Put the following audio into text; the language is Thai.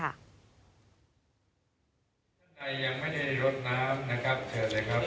ข้างในยังไม่ได้ลดน้ำนะครับเชิญเลยครับ